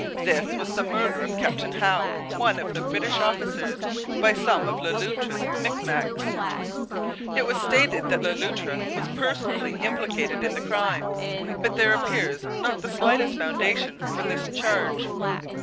This was the murder of Captain Howe, one of the British officers, by some of Le Loutre's Micmacs. It was stated that Le Loutre was personally implicated in the crime, but there appears not the slightest foundation for this charge.